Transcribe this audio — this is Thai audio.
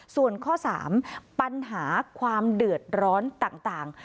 ส่วนข้อ๓ปัญหาความเดือดร้อนต่าง